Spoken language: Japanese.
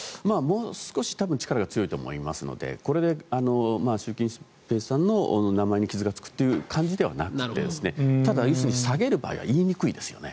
もう少し多分力が強いと思いますのでこれで習近平さんの名前に傷がつくという感じではなくてただ、下げる場合は言いにくいですよね。